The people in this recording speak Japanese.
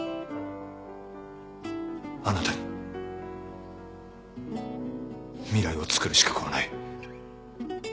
あなたに未来をつくる資格はない。